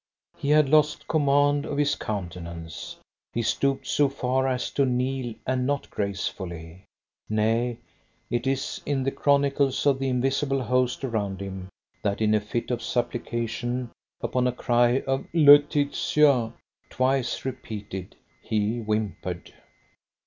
He had lost command of his countenance. He stooped so far as to kneel, and not gracefully. Nay, it is in the chronicles of the invisible host around him, that in a fit of supplication, upon a cry of "Laetitia!" twice repeated, he whimpered.